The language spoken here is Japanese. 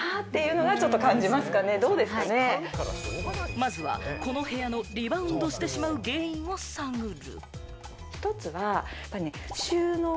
まずはこの部屋のリバウンドしてしまう原因を探る。